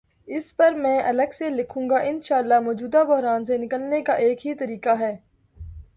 اس پرمیں الگ سے لکھوں گا، انشا اللہ مو جودہ بحران سے نکلنے کا ایک ہی طریقہ ہے۔